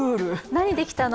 何で来たの？